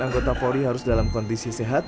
anggota polri harus dalam kondisi sehat